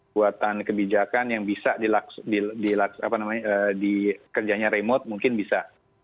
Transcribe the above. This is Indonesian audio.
buatan kebijakan yang bisa di kerjanya remote mungkin bisa